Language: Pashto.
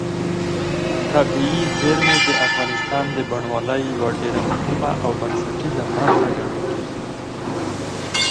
طبیعي زیرمې د افغانستان د بڼوالۍ یوه ډېره مهمه او بنسټیزه برخه ګڼل کېږي.